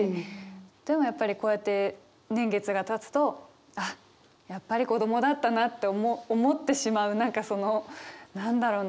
でもやっぱりこうやって年月がたつとあっやっぱり子供だったなって思ってしまう何かその何だろうな？